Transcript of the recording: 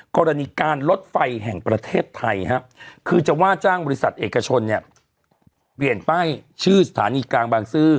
กรณีการลดไฟแห่งประเทศไทยครับ